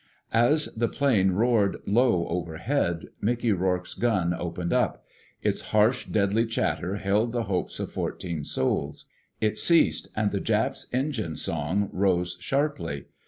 As the plane roared low overhead, Mickey Rourke's gun opened up. Its harsh, deadly chatter held the hopes of fourteen souls. It ceased, and the Jap's engine song rose sharply.